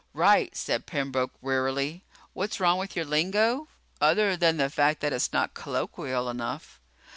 "Right," said Pembroke wearily. "What's wrong with your lingo? Other than the fact that it's not colloquial enough."